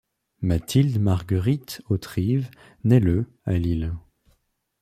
Mathilde Marguerite Hautrive naît le à Lille.